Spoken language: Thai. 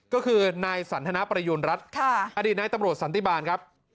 ก็คือนายสันทนาประยูณรัฐอดีตนายตำรวจสันติบาลครับ